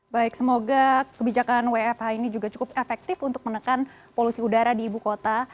baik semoga kebijakan wfh ini juga cukup efektif untuk menekan polusi udara di ibu kota